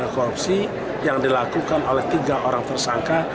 korupsi yang dilakukan oleh tiga orang tersangka